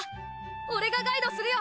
俺がガイドするよ。